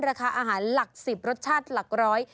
ราคาอาหารหลัก๑๐รสชาติหลักร้อย